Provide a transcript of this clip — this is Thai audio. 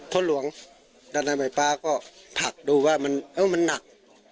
ท่อนหลวงด้านในไหมปลาก็ผลักดูว่ามันเอ้อมันหนัก